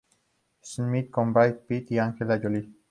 Smith" con Brad Pitt y Angelina Jolie.